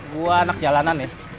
gua anak jalanan ya